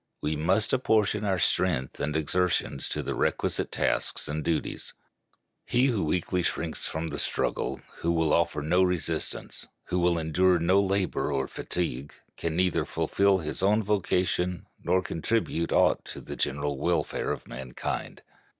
We must apportion our strength and exertions to the requisite tasks and duties. He who weakly shrinks from the struggle, who will offer no resistance, who will endure no labor nor fatigue, can neither fulfill his own vocation, nor contribute aught to the general welfare of mankind.